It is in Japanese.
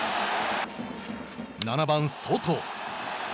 ７番ソト。